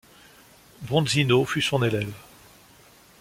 Bronzino fut son élève.